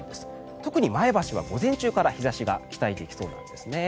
特に前橋は午前中から日差しが期待できそうです。